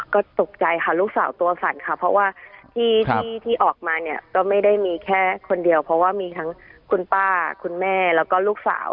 ก็ตกใจค่ะลูกสาวตัวสั่นค่ะเพราะว่าที่ที่ออกมาเนี่ยก็ไม่ได้มีแค่คนเดียวเพราะว่ามีทั้งคุณป้าคุณแม่แล้วก็ลูกสาว